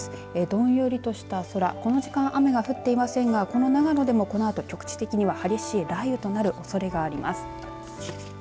どんよりとした空この時間、雨は降っていませんがこの長野でも、このあと局地的に激しい雷雨となるおそれがあります。